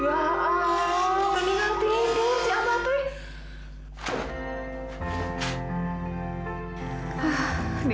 ya allah beningan tidur si amatri